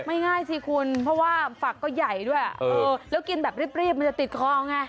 ง่ายสิคุณเพราะว่าฝักก็ใหญ่ด้วยเออแล้วกินแบบรีบมันจะติดคอไง